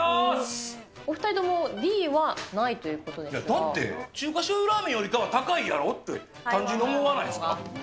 お２人とも、Ｄはないというだって、中華醤油ラーメンよりかは高いやろって、単純に思わないですか？